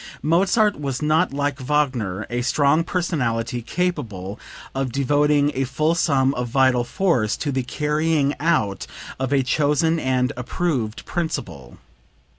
Mozart was not like Wagner, a strong personality capable of devoting a full sum of vital force to the carrying out of a chosen and approved principle.